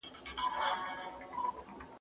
¬ دښمن څه وايي، چي زړه وايي.